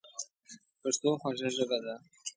پښتو خوږه ژبه ده.